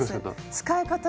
使い方が。